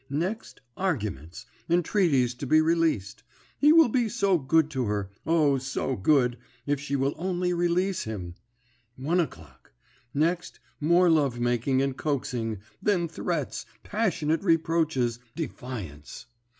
Next arguments, entreaties to be released. He will be so good to her, O, so good, if she will only release him! One o'clock. Next more love making and coaxing, then threats, passionate reproaches, defiance.